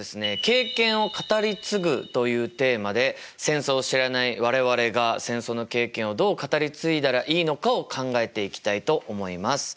「経験を語り継ぐ」というテーマで戦争を知らない我々が戦争の経験をどう語り継いだらいいのかを考えていきたいと思います。